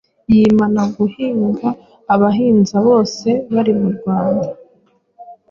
Yimana guhiga abahinza bose bari mu Rwanda ,